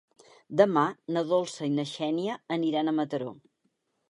Demà na Dolça i na Xènia aniran a Mataró.